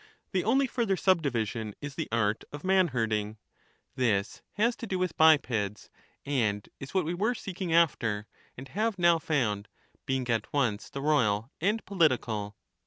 The only further subdivision is the art of man herding, — this has to do with bipeds, and is what we were seeking after, and have now found, being at once the royal and political.